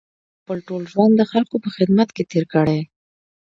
ما خپل ټول ژوند د خلکو په خدمت کې تېر کړی.